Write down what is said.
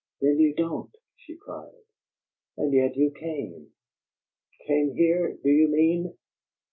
"Then you don't?" she cried. "And yet you came." "Came here, do you mean?"